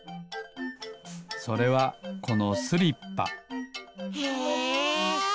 それはこのスリッパへえ。